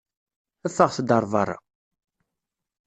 Ffɣet-d ar beṛṛa!